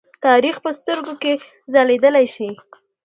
تاریخ په سترګو کې ځليدلی شي.